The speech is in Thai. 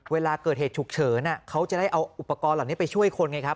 เวลาเกิดเหตุฉุกเฉินเขาจะได้เอาอุปกรณ์เหล่านี้ไปช่วยคนไงครับ